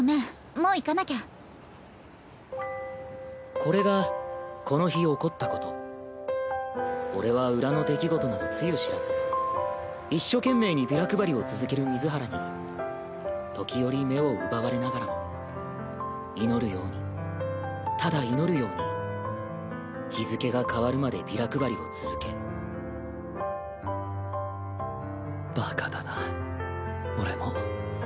もう行かなきゃこれがこの日起こったこと俺は裏の出来事などつゆ知らず一所懸命にビラ配りを続ける水原に時折目を奪われながらも祈るようにただ祈るように日付が変わるまでビラ配りを続けバカだな俺も。